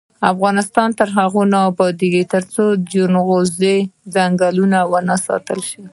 افغانستان تر هغو نه ابادیږي، ترڅو د جلغوزو ځنګلونه وساتل نشي.